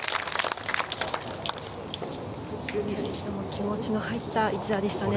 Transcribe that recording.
気持ちの入った一打でしたね。